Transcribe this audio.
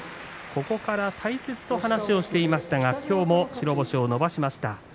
ここから大切と話をしていましたが、今日も白星を伸ばしました。